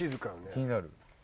気になる。